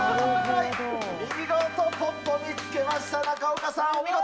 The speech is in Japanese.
見事、ポッポを見つけました中岡さん、お見事。